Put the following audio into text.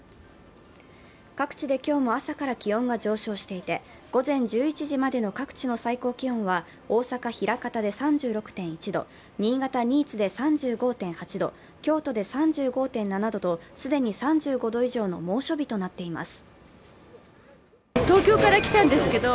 各地で今日も朝から気温が上昇していて、午前１１時までの各地の最高気温は大阪・枚方で３６．１度、新潟・新津で３５．８度、京都で３５．７度と既に３５度以上の猛暑日となっています。